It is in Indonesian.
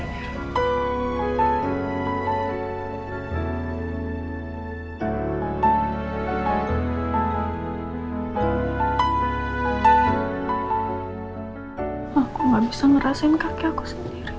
aku tidak bisa merasakan kaki aku sendiri